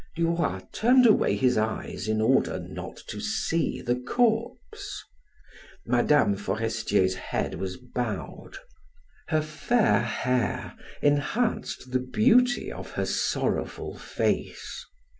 Duroy turned away his eyes in order not to see the corpse. Mme. Forestier's head was bowed; her fair hair enhanced the beauty of her sorrowful face.